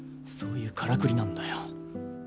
そういうからくりなんだよ。